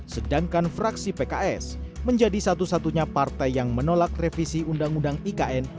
sedangkan fraksi pks menjadi satu satunya partai yang menolak revisi undang undang ikn